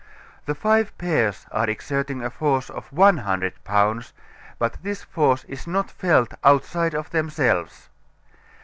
The five pairs are exerting a force of one hundred pounds, but this force is not felt outside of themselves.